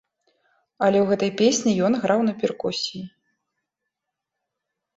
Але ў гэтай песні ён граў на перкусіі.